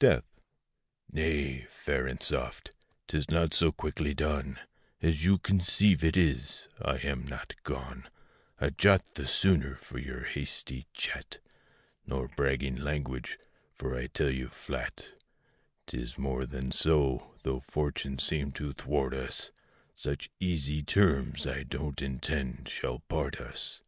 DEATH. Nay, fair and soft! 'tis not so quickly done As you conceive it is: I am not gone A jot the sooner for your hasty chat, Nor bragging language; for I tell you flat 'Tis more than so, though fortune seem to thwart us, Such easy terms I don't intend shall part us.